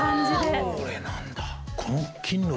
これなんだ。